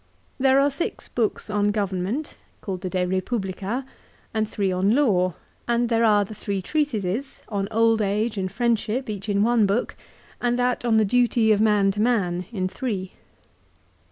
There are six books on government, called the " De Eepublica," and three on law ; and there are the three treatises, on old age and friendship each in one book, and that on the duty of man to man, in three.